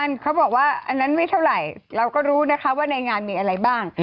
เขาบอกว่าอันนั้นไม่เท่าไหร่เราก็รู้นะคะว่าในงานมีอะไรบ้าง